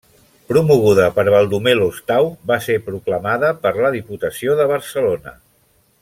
Promoguda per Baldomer Lostau, va ser proclamada per la Diputació de Barcelona.